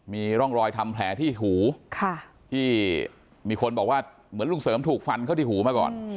มีร่องรอยทำแผลที่หูที่มีคนบอกว่าเหมือนลุงเสริมถูกฟันเข้าที่หูมาก่อน